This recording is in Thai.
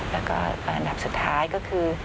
แล้วก็อันดับสุดท้ายก็คือ